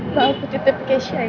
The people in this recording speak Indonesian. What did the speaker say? mama tidak berkesan ya